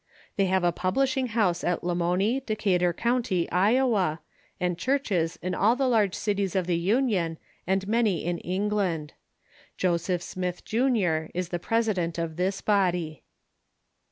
They have a publishing house at Lamoni, Decatur County, Iowa, and churches in all the large cities of the Union and many in England. Joseph Smith, Jr., is the president of this body.